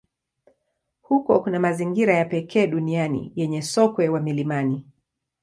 Huko kuna mazingira ya pekee duniani yenye sokwe wa milimani.